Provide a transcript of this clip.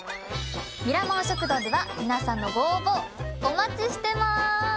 ミラモン食堂では皆さんのご応募お待ちしてます。